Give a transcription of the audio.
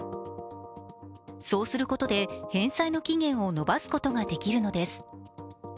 そうすることで、返済の期限を延ばすことができるのです。